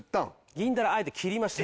銀だらあえて切りました。